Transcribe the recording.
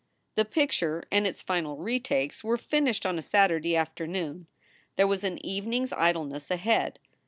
The picture and its final retakes were finished on a Satur day afternoon. There was an evening s idleness ahead.